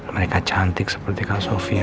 mereka cantik seperti kang sofia